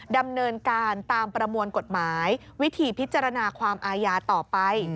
ดำเนินการตามประมวลกฎหมายวิธีพิจารณาความอาญาต่อไป